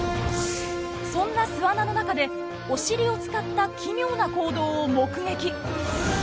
そんな巣穴の中でおしりを使った奇妙な行動を目撃。